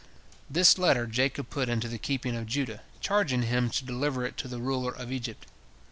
This letter Jacob put into the keeping of Judah, charging him to deliver it to the ruler of Egypt.